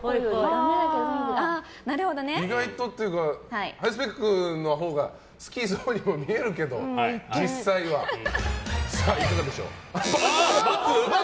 意外とっていうかハイスペックなほうが好きそうにも見えるけど実際はいかがでしょう。×？